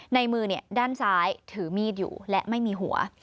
ในมือด้านซ้ายถือมีดอยู่และไม่มีหัว